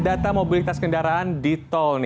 data mobilitas kendaraan di tol